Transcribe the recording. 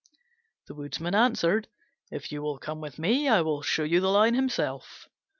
The Woodman answered, "If you will come with me, I will show you the lion himself."